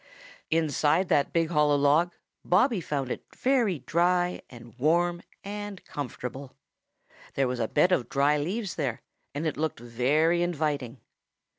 Inside that big hollow log, Bobby found it very dry and warm and comfortable. There was a bed of dry leaves there, and it looked very inviting.